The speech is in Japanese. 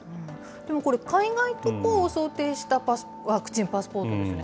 でもこれ、海外渡航を想定したワクチンパスポートですよね。